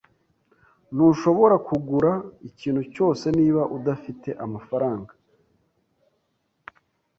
Ntushobora kugura ikintu cyose niba udafite amafaranga.